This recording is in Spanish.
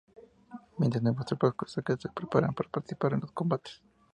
Mientras, nuevas tropas cosacas se preparaban para participar en los combates.